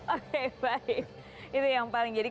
oke baik itu yang paling jadi